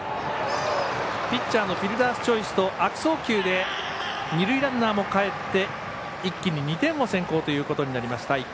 ピッチャーのフィルダースチョイスと悪送球で二塁ランナーも帰って一気に２点を先行ということになりました。